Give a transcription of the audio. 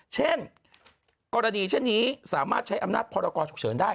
เช่นกรณีเช่นนี้สามารถใช้อำนาจพรกรฉุกเฉินได้